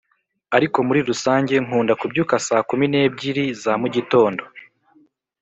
ariko muri rusange nkunda kubyuka saa kumi n’ebyiri za mu gitondo,